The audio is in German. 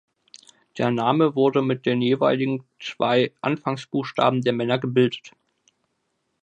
Der Name wurde mit den jeweiligen zwei Anfangsbuchstaben der Männer gebildet.